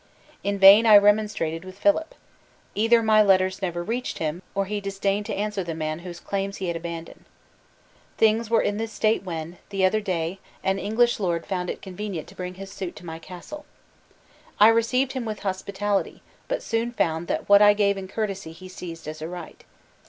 In vain I remonstrated with Philip. Either my letters never reached him, or he disdained to answer the man whose claims he had abandoned. Things were in this state when, the other day, and English lord found it convenient to bring his suit to my castle. I received him with hospitality, but soon found that what I gave in courtesy he seized as a right.